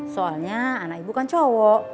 soalnya anak ibu kan cowok